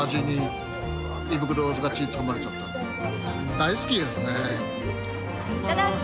大好きですね。